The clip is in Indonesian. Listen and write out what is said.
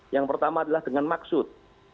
yang pertama adalah dengan maksud